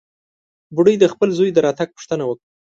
بوډۍ د خپل زوى د راتګ پوښتنه وکړه.